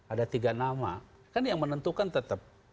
ada tiga nama kan yang menentukan tetap